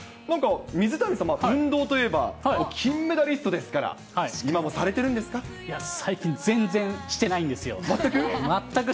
水谷さん、運動といえば、金メダリストですから、今もされてるんいや、最近、全然してないん全く？